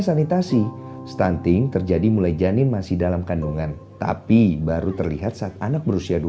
sanitasi stunting terjadi mulai janin masih dalam kandungan tapi baru terlihat saat anak berusia